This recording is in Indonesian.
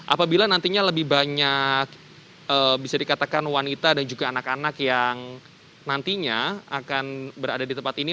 apabila nantinya lebih banyak bisa dikatakan wanita dan juga anak anak yang nantinya akan berada di tempat ini